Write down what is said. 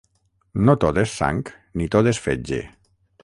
No tot és sang ni tot és fetge.